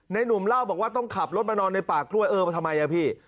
หนุ่มเล่าบอกว่าต้องขับรถมานอนในป่ากล้วยเออมาทำไมอ่ะพี่